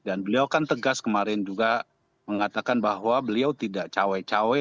dan beliau kan tegas kemarin juga mengatakan bahwa beliau tidak cawe cawe